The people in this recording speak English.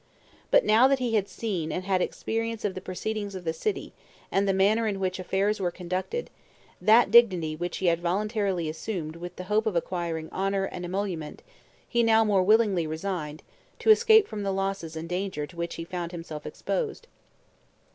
But now that he had seen and had experience of the proceedings of the city, and the manner in which affairs were conducted, that dignity which he had voluntarily assumed with the hope of acquiring honor and emolument, he now more willingly resigned, to escape from the losses and danger to which he found himself exposed."